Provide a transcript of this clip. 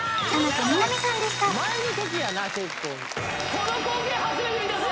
この光景初めて見たぞ！